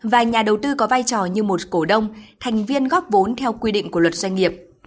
và nhà đầu tư có vai trò như một cổ đông thành viên góp vốn theo quy định của luật doanh nghiệp